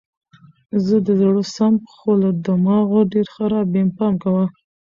زه د زړه سم خو له دماغو ډېر خراب یم پام کوه!